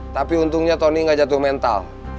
tapi untungnya tony nggak jatuh mental